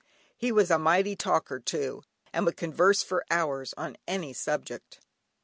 He was a mighty talker too, and would converse for hours on any subject.